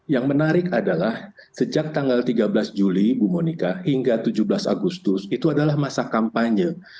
yang menarik adalah sejak tanggal tiga belas juli bu monika hingga tujuh belas agustus itu adalah masa kampanye